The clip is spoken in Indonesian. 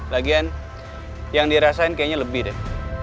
lagian yang dirasain kayaknya lebih deh